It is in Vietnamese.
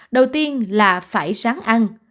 đầu tiên là phải ráng ăn